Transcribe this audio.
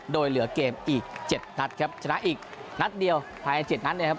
โดยเหลือเกมอีก๗นัดครับชนะอีกนัดเดียวภายใน๗นัดเนี่ยครับ